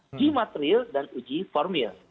uji material dan uji formil